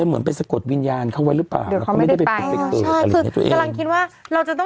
เหมือนกับมีคนฆ่าตัวตาย